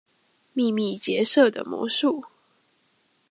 秘密結社的魔術